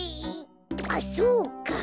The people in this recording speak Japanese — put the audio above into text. あっそうか。